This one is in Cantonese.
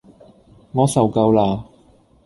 我受夠啦